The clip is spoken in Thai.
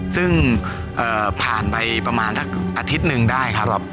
ซึ่งผ่านไปประมาณสักอาทิตย์หนึ่งได้ครับ